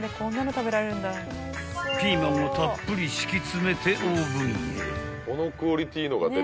［ピーマンをたっぷり敷き詰めてオーブンへ］